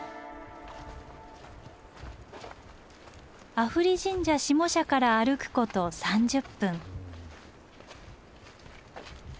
阿夫利神社下社から歩くこと３０分。